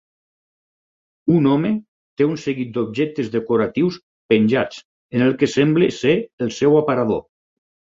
Un home té un seguit d'objectes decoratius penjats en el que sembla ser el seu aparador.